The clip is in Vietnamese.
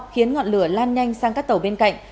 khiến ngọn lửa lan nhanh sang các tàu bên cạnh